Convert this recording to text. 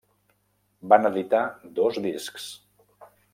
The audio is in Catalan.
Van editar dos discs.